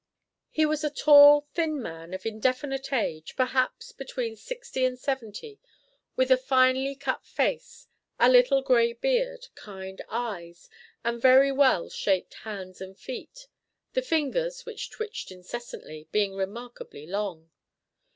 He was a tall, thin man of indefinite age, perhaps between sixty and seventy, with a finely cut face, a little grey beard, kind eyes and very well shaped hands and feet, the fingers, which twitched incessantly, being remarkably long.